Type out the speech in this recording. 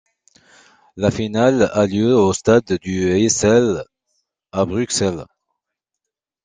La finale a lieu au Stade du Heysel à Bruxelles.